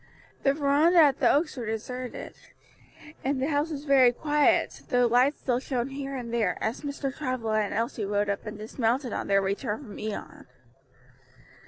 The veranda at the Oaks was deserted, and the house very quiet, though lights still shone here and there, as Mr. Travilla and Elsie rode up and dismounted on their return from Ion.